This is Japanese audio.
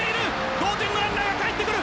同点のランナーがかえってくる。